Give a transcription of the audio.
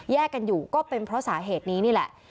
กันอยู่ก็เป็นเพราะสาเหตุนี้นี่แหละ